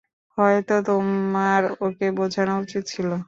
হয়তো তোমার ওকে বোঝানো উচিত ছিল।